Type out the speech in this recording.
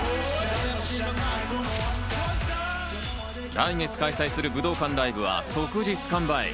来月開催する武道館ライブは即日完売。